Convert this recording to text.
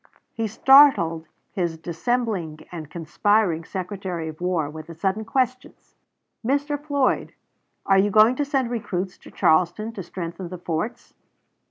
He startled his dissembling and conspiring Secretary of War with the sudden questions, "Mr. Floyd, are you going to send recruits to Charleston to strengthen the forts?"